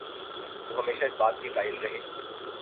وہ ہمیشہ اس بات کے قائل رہے